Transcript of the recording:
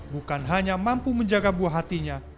bukan hanya mampu menjaga buah hatinya